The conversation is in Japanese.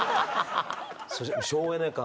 省エネ感